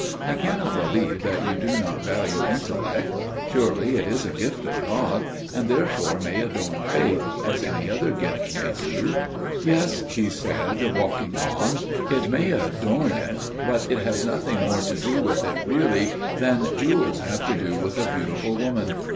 "I cannot believe that you do not value intellect. Surely it is a gift of God, and therefore may adorn faith, as any other gift may do." "Yes," he said, walking on, "it may adorn it; but it has nothing more to do with it really than jewels have to do with a beautiful woman.